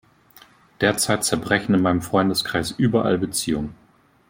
Derzeit zerbrechen in meinem Freundeskreis überall Beziehungen.